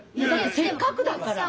せっかくだから。